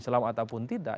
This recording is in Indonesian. bisa menjadi halal atau tidak